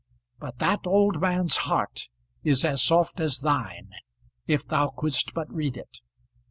But that old man's heart is as soft as thine, if thou couldst but read it.